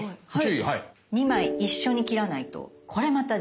はい。